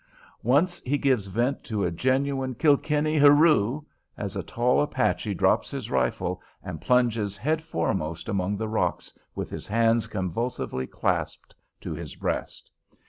Once he gives vent to a genuine Kilkenny "hurroo" as a tall Apache drops his rifle and plunges head foremost among the rocks with his hands convulsively clasped to his breast.